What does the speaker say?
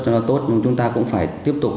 cho nó tốt chúng ta cũng phải tiếp tục